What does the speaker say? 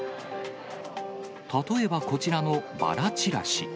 例えばこちらのばらちらし。